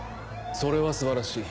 それは素晴らしい。